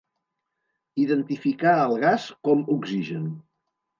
Identificà el gas com oxigen.